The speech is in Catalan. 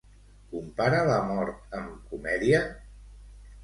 Compara la mort amb comèdia?